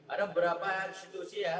ada beberapa institusi ya